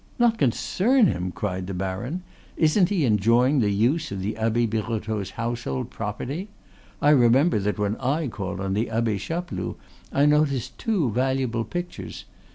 "Not concern him?" cried the baron; "isn't he enjoying the use of the Abbe Birotteau's household property? I remember that when I called on the Abbe Chapeloud I noticed two valuable pictures.